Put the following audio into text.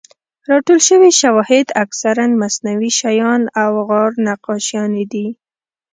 راټول شوي شواهد اکثراً مصنوعي شیان او غار نقاشیانې دي.